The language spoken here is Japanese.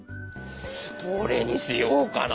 どれにしようかな。